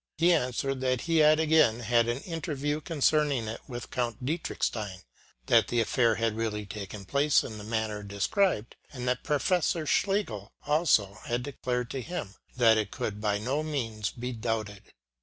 He answered that he had again had an interview concerning it with Count Dietrichstein ; that the affair had really taken place in the manner described : and that Professor Schlegel, also, had declared to him that it could by no means be doubted.